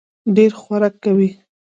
ډېر خورک کوي.